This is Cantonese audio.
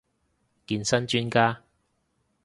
健身專家